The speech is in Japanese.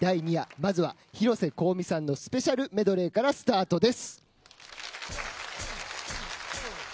まずは広瀬香美さんのスペシャルメドレーからスタートです。